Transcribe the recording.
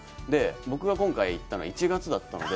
僕が今回、行ったのは１月だったので。